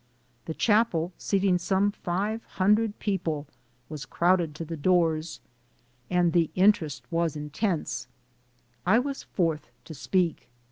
The chapel, seating some five hun dred people, was crowded to the doors, and the in terest was intense. I was fourth to speak.